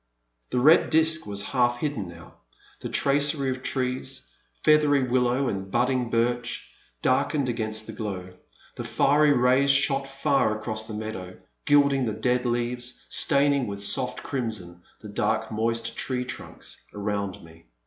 . The red disk was half hidden now ; the tracery of trees, feathery willow and budding birch, dark ened against the glow; the fiery rays shot far across the meadow, gilding the dead leaves, stain ing with soft crimson the dark moist tree trunks around me.